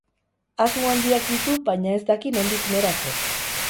Asmo handiak ditu baina ez daki nondik nora jo.